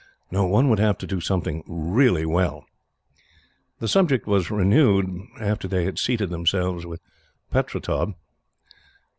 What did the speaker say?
No; one would have to do something really well." The subject was renewed, after they had seated themselves with Pertaub.